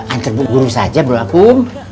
antar bu guru saja bro akun